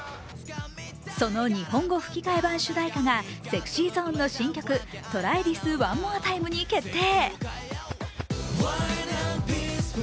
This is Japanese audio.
その日本語吹き替え版主題歌がＳｅｘｙＺｏｎｅの新曲「ＴｒｙＴｈｉｓＯｎｅＭｏｒｅＴｉｍｅ」に決定。